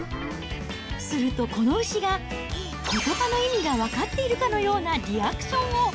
すると、この牛がことばの意味が分かっているかのようなリアクションを。